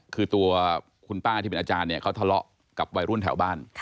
คือตัวคุณป้าที่เป็นอาจารย์เนี่ยเขาทะเลาะกับวัยรุ่นแถวบ้าน